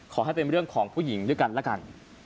ขอให้เป็นเรื่องของผู้หญิงด้วยกันแล้วกัน